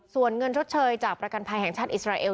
ส่วนเงินชดเชยจากประกันภัยแห่งชาติอิสราเอล